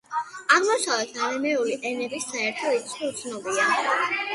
აღმოსავლეთ არამეული ენების საერთო რიცხვი უცნობია.